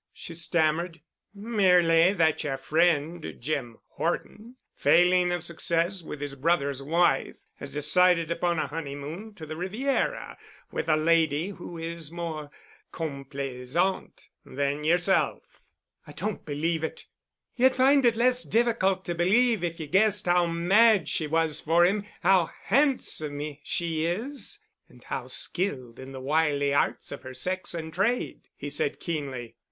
she stammered. "Merely that yer friend Jim Horton, failing of success with his brother's wife, has decided upon a honeymoon to the Riviera with a lady who is more complaisante than yerself." "I don't believe it." "Ye'd find it less difficult to believe if ye guessed how mad she was for him, how handsome she is and how skilled in the wily arts of her sex and trade," he said keenly.